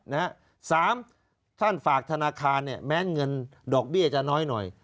สามท่านฝากธนาคารแม้เงินดอกเบี้ยจะน้อย